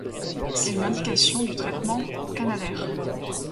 C'est une indication du traitement canalaire.